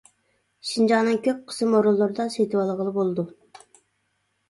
شىنجاڭنىڭ كۆپ قىسىم ئورۇنلىرىدا سېتىۋالغىلى بولىدۇ.